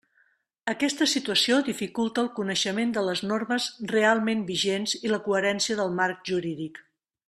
Aquesta situació dificulta el coneixement de les normes realment vigents i la coherència del marc jurídic.